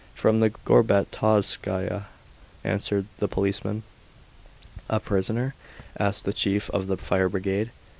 "From the Gorbatovskaya," answered the policeman. "A prisoner?" asked the chief of the fire brigade.